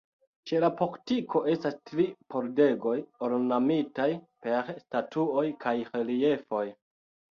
Ĉe la portiko estas tri pordegoj ornamitaj per statuoj kaj reliefoj.